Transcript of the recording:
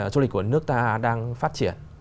du lịch của nước ta đang phát triển